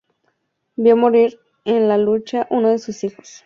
Vio morir en la lucha uno de sus hijos.